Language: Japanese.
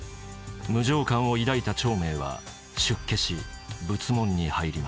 無常観を抱いた長明は出家し仏門に入ります。